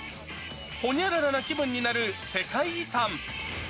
ホニャララな気分になる世界遺産。